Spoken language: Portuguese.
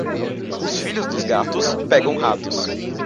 Os filhos dos gatos pegam ratos.